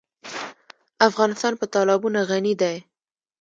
افغانستان په تالابونه غني دی.